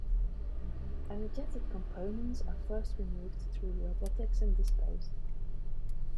Energetic components are first removed through robotics and disposed.